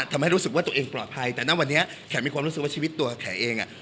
ทำให้รู้สึกว่าตัวเองปลอดภัยแต่ณวันนี้แขกมีความรู้สึกว่าชีวิตตัวแขเองอ่ะ